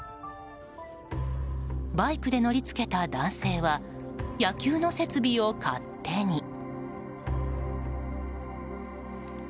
バイクで乗り付けた男性は野球の設備を勝手に。